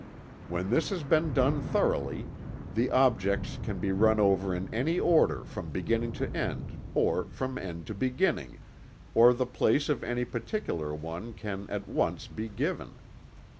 When this has been done thoroughly, the objects can be run over in any order from beginning to end, or from end to beginning, or the place of any particular one can at once be given.